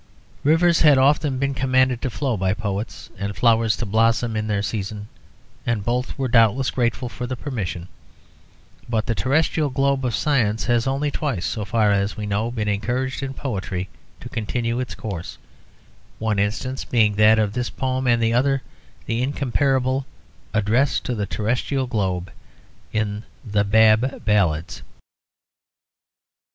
Rivers had often been commanded to flow by poets, and flowers to blossom in their season, and both were doubtless grateful for the permission. But the terrestrial globe of science has only twice, so far as we know, been encouraged in poetry to continue its course, one instance being that of this poem, and the other the incomparable "Address to the Terrestrial Globe" in the "Bab Ballads."